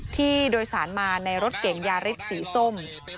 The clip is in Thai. ที่โดยสารมาในรถเก่งยาริสสีส้ม